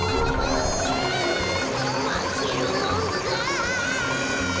まけるもんか。